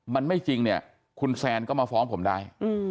มันไม่จริงเนี่ยคุณแซนก็มาฟ้องผมได้